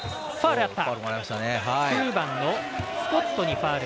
ファウル。